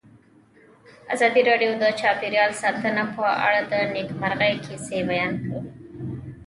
ازادي راډیو د چاپیریال ساتنه په اړه د نېکمرغۍ کیسې بیان کړې.